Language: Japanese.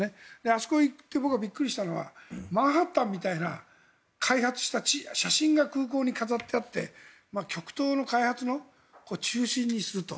あそこへ行って僕がビックリしたのはマンハッタンみたいな開発した写真が飾ってあって極東の開発の中心に位置すると。